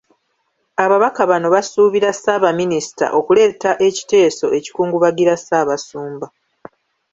Ababaka bano basuubira Ssaabaminisita okuleeta ekiteeso ekikungubagira Ssaabasumba.